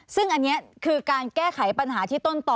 ซึ่งอันนี้คือการแก้ไขปัญหาที่ต้นต่อ